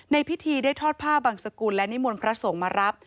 ในพิธีได้ทอดผ้าบังสกุลและนิมนต์พระสงฆ์มารับ